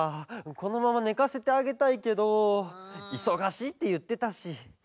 このままねかせてあげたいけどいそがしいっていってたし。